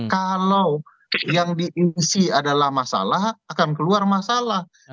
kalau yang diisi adalah masalah akan keluar masalah